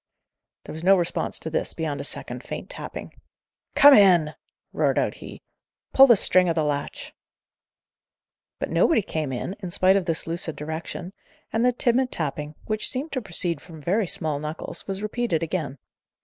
There was no response to this, beyond a second faint tapping. "Come in!" roared out he. "Pull the string o' the latch." But nobody came in, in spite of this lucid direction; and the timid tapping, which seemed to proceed from very small knuckles, was repeated again.